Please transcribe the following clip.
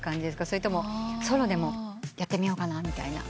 それともソロでもやってみようかなみたいな？